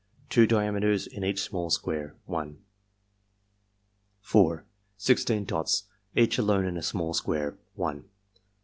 Two diameters in each small square 1 4. Sixteen dots, each alone in a small square 1 5.